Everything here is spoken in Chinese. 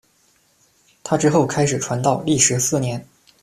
他之后开始传道，历时四年。